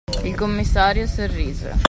Il commissario sorrise.